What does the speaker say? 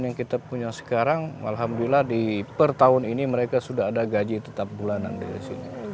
yang kita punya sekarang alhamdulillah di per tahun ini mereka sudah ada gaji tetap bulanan di sini